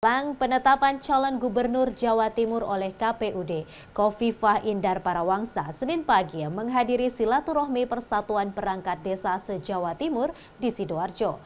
jelang penetapan calon gubernur jawa timur oleh kpud kofifah indar parawangsa senin pagi menghadiri silaturahmi persatuan perangkat desa se jawa timur di sidoarjo